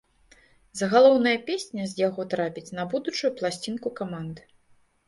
Загалоўная песня з яго трапіць на будучую пласцінку каманды.